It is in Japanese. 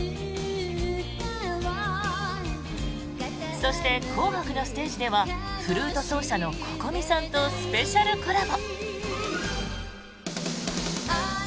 そして「紅白」のステージではフルート奏者のＣｏｃｏｍｉさんとスペシャルコラボ。